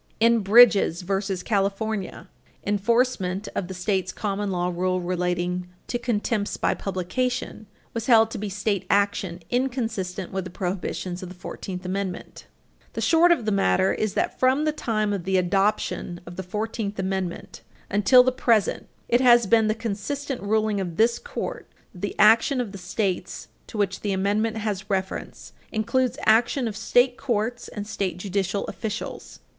In Bridges v. California, 314 U. S. 252 (1941), enforcement of the state's common law rule relating to contempts by publication was held to be state action inconsistent with the prohibitions of the Fourteenth Amendment. [Footnote 21] And cf. Chicago, Burlington and Quincy R. Co. v. Chicago, 166 U. S. 226 (1897). The short of the matter is that, from the time of the adoption of the Fourteenth Amendment until the present, it has been the consistent ruling of this Court that the action of the States to which the Amendment has reference includes action of state courts and state judicial officials.